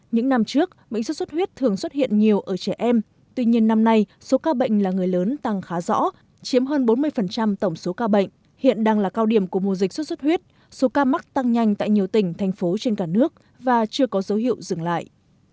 những năm trước bệnh xuất xuất huyết thường xuất hiện nhiều ở trẻ em tuy nhiên năm nay số ca bệnh là người lớn tăng khá rõ chiếm hơn bốn mươi tổng số ca bệnh hiện đang là cao điểm của mùa dịch sốt xuất huyết số ca mắc tăng nhanh tại nhiều tỉnh thành phố trên cả nước và chưa có dấu hiệu dừng lại